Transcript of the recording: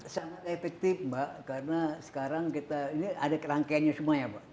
sangat efektif mbak karena sekarang kita ini ada kerangkaiannya semua ya mbak